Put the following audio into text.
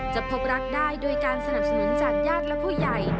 พบรักได้โดยการสนับสนุนจากญาติและผู้ใหญ่